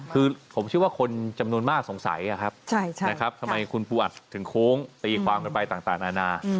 คือผมเชื่อว่าคนจำนวนมากสงสัยนะครับทำไมคุณปูอัดถึงโค้งตีความกันไปต่างนานา